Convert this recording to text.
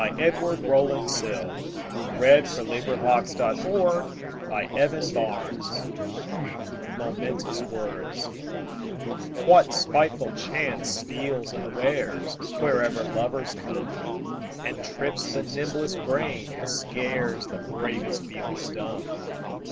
Edward Rowland Sill 1841–1887 Edward Rowland Sill 209 Momentous Words WHAT spiteful chance steals unawaresWherever lovers come, And trips the nimblest brain and scaresThe bravest feelings dumb?